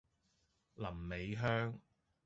臨尾香